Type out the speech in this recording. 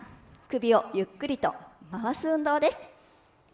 首をゆっくりと回す運動です。